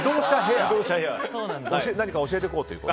何か教えていこうと？